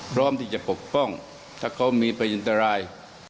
พร้อมที่จะปกป้องถ้าเขามีพยันตราย